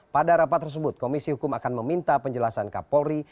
pada rapat tersebut komisi hukum akan meminta penjelasan kapolri